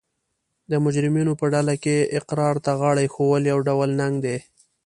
د مجرمینو په ډله کې اقرار ته غاړه ایښول یو ډول ننګ دی